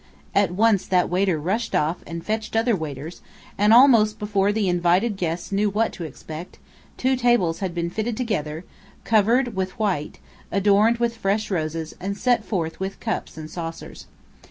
At once that waiter rushed off, and fetched other waiters; and almost before the invited guests knew what to expect, two tables had been fitted together, covered with white, adorned with fresh roses, and set forth with cups and saucers.